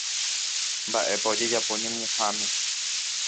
Mba'épa ojejapo ñemuháme.